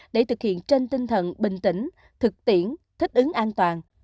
để thực hiện trên tinh thần bình tĩnh thực tiễn thích ứng an toàn